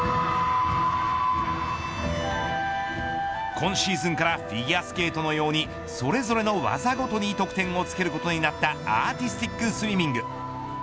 今シーズンからフィギュアスケートのようにそれぞれの技ごとに得点をつけることになったアーティスティックスイミング。